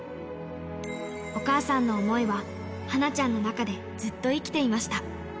お母さんの思いは、はなちゃんの中でずっと生きていました。